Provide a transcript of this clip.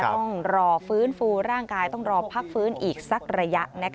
ต้องรอฟื้นฟูร่างกายต้องรอพักฟื้นอีกสักระยะ